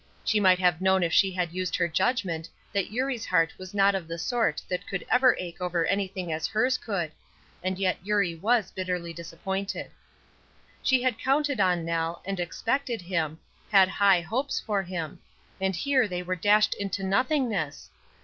She might have known if she had used her judgment that Eurie's heart was not of the sort that would ever ache over anything as hers could; and yet Eurie was bitterly disappointed. She had counted on Nell, and expected him, had high hopes for him; and here they were dashed into nothingness!